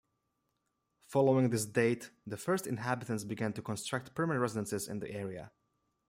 Following this date the first inhabitants began to construct permanent residences in the area.